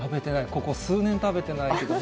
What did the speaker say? ここ数年食べてないけどね。